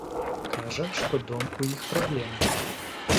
Кажа, што дом у іх праблемны.